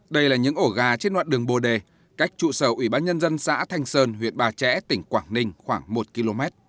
đây là những ổ gà trên đoạn đường bồ đề cách trụ sở ủy ban nhân dân xã thanh sơn huyện ba trẻ tỉnh quảng ninh khoảng một km